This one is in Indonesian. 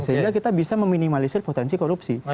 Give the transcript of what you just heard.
sehingga kita bisa meminimalisir potensi korupsi